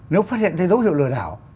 nếu phát hiện thấy dấu hiệu lừa đảo